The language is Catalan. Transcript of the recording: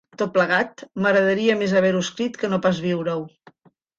Tot plegat, m'agradaria més haver-ho escrit que no pas viure-ho.